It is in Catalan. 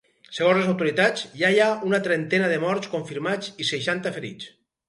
Segons les autoritats, ja hi ha una trentena de morts confirmats i seixanta ferits.